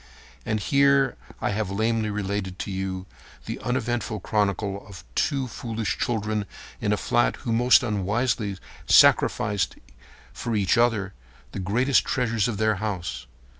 And here I have lamely related to you the uneventful chronicle of two foolish children in a flat who most unwisely sacrificed for each other the greatest treasures of their house.